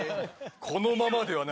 このままではな。